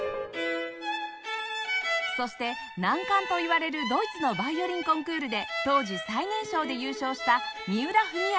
そして難関といわれるドイツのヴァイオリンコンクールで当時最年少で優勝した三浦文彰さん